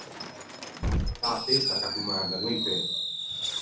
L’é a testa ch’a commanda, no i pê.